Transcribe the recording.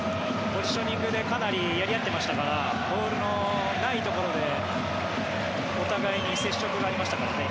ポジショニングでかなりやり合っていましたからボールのないところでお互いに接触がありましたからね。